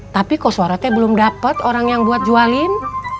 tapi koswara itu belum dapat orang yang buat jualin